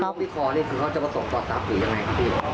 ถ้าล้วงที่คอนี่คือเขาจะประสงค์ต่อจากหรือยังไงครับพี่